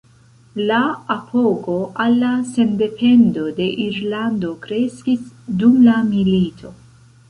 La apogo al la sendependo de Irlando kreskis dum la milito.